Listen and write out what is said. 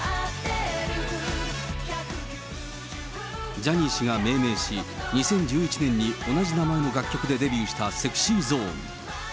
ジャニー氏が命名し、２０１１年に同じ名前の楽曲でデビューしたＳｅｘｙＺｏｎｅ。